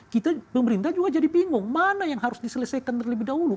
kita pemerintah juga jadi bingung mana yang harus diselesaikan terlebih dahulu